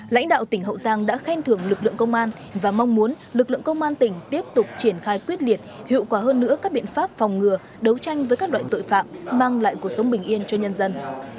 lãnh đạo tỉnh hậu giang đã khen thưởng lực lượng công an và mong muốn lực lượng công an tỉnh tiếp tục triển khai quyết liệt hiệu quả hơn nữa các biện pháp phòng ngừa đấu tranh với các loại tội phạm mang lại cuộc sống bình yên cho nhân dân